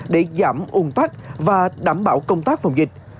để giảm ung tắc và đảm bảo công tác phòng dịch